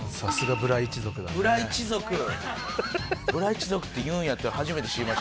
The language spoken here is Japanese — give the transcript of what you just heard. ブラ一族って言うんやって初めて知りましたけど。